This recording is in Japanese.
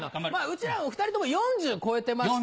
うちら２人とも４０超えてまして。